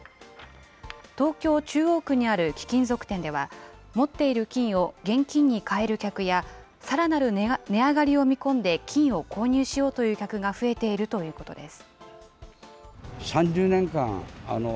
東京・中央区にある貴金属店では、持っている金を現金に換える客や、さらなる値上がりを見込んで金を購入しようという客が増えているということです。